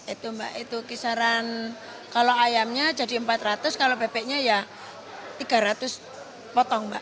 itu mbak itu kisaran kalau ayamnya jadi empat ratus kalau bebeknya ya tiga ratus potong mbak